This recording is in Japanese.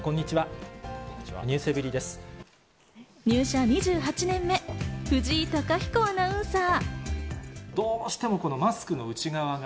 入社２８年目、藤井貴彦アナウンサー。